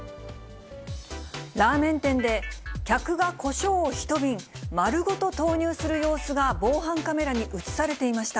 ラーメン店で、客がこしょうを１瓶丸ごと投入する様子が、防犯カメラに写されていました。